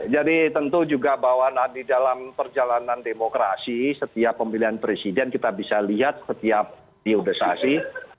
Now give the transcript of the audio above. jadi tentu juga bahwa di dalam perjalanan demokrasi setiap pemilihan presiden kita bisa lihat setiap diudasasi